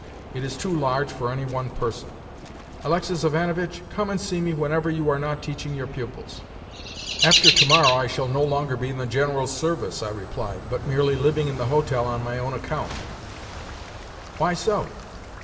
It is too large for any one person. Alexis Ivanovitch, come and see me whenever you are not teaching your pupils." "After tomorrow I shall no longer be in the General's service," I replied, "but merely living in the hotel on my own account." "Why so?"